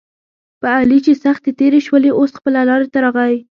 په علي چې سختې تېرې شولې اوس خپله لارې ته راغی.